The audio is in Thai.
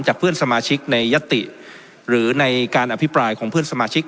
เพื่อนสมาชิกในยติหรือในการอภิปรายของเพื่อนสมาชิก